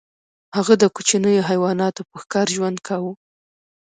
هغه د کوچنیو حیواناتو په ښکار ژوند کاوه.